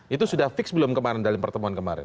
itu sudah fix belum kemarin dalam pertemuan kemarin